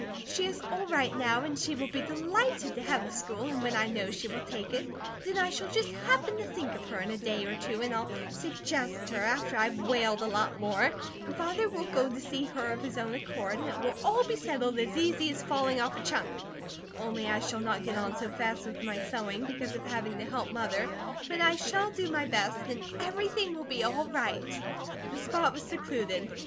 She is all right now, and she will be delighted to have the school, and when I know she will take it then I shall just happen to think of her in a day or two and I'll suggest her, after I've wailed a lot more; and Father will go to see her of his own accord, and it will all be settled as easy as falling off a chunk, only I shall not get on so fast with my sewing, because of having to help Mother; but I shall do my best, and everything will be all right." The spot was secluded.